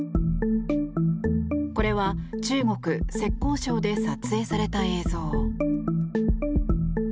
これは、中国・浙江省で撮影された映像。